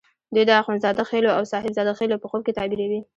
دوی د اخند زاده خېلو او صاحب زاده خېلو په خوب کې تعبیروي.